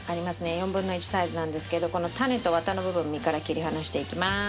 ４分の１サイズなんですけどこの種とワタの部分実から切り離していきます。